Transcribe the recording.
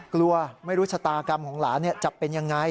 กลัวไม่รู้ชะตากรรมของหลานจะเป็นยังไง